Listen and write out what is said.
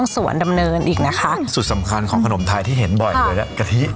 สำคัญของขนมไทยที่เห็นบ่อยเลยล่ะกะทิ